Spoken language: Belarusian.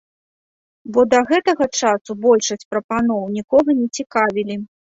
Бо да гэтага часу большасць прапаноў нікога не цікавілі.